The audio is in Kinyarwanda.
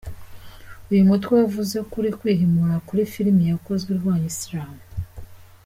Uyu mutwe wavuze ko uri kwihimura kuri filimi yakozwe irwanya Islam.